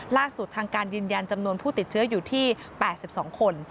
ล่าสุดทางการยืนยันจำนวนผู้ติดเชื้ออยู่ที่๘๒คน